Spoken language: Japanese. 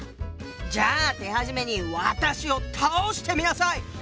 じゃあ手始めに私を倒してみなさい！